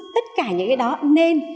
tất cả những cái đó nên